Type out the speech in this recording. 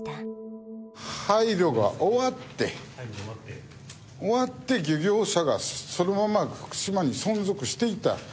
廃炉が終わって終わって漁業者がそのまま福島に存続していた。